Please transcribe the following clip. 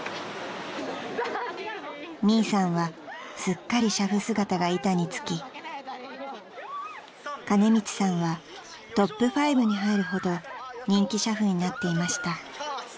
［ミイさんはすっかり俥夫姿が板に付きカネミツさんはトップ５に入るほど人気俥夫になっていました］